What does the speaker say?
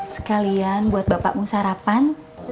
sekalian buat bapakmu sarapan